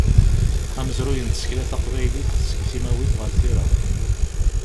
Amezruy n tsekla taqbaylit seg timawit ɣer tira.